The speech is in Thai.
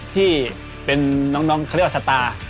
ที่เป็นน้องเขาเรียกว่าสตาร์